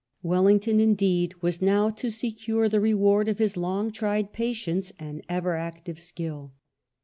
Wellington, indeed, was now to secure the reward of his long tried patience and ever active skill.